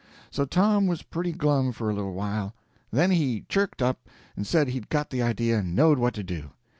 So Tom was pretty glum for a little while, then he chirked up and said he'd got the idea and knowed what to do.